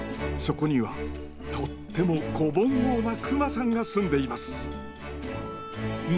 そこにはとっても子ぼんのうなクマさんが住んでいます。